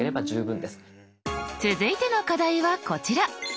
続いての課題はこちら！